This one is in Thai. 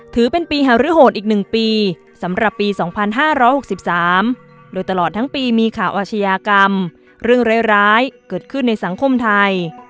ถือเป็นปีหารือโหดอีก๑ปีสำหรับปี๒๕๖๓โดยตลอดทั้งปีมีข่าวอาชญากรรมเรื่องร้ายเกิดขึ้นในสังคมไทย